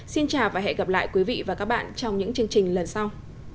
xin chào và hẹn gặp lại quý vị và các bạn trong những chương trình lần sau